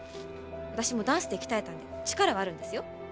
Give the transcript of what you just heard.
私もダンスで鍛えたんで力はあるんですよ。